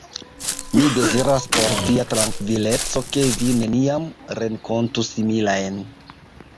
Mi deziras, por via trankvileco, ke vi neniam renkontu similajn.